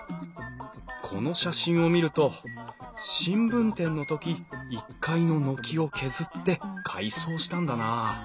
この写真を見ると新聞店の時１階の軒を削って改装したんだな。